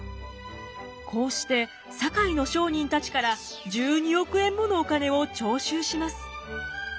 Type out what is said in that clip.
こうして堺の商人たちから１２億円ものお金を徴収します。